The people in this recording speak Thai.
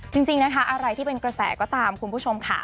จริงนะคะอะไรที่เป็นกระแสก็ตามคุณผู้ชมค่ะ